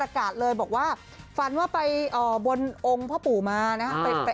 กาศเลยบอกว่าฝันว่าไปบนองค์พ่อปู่มานะครับ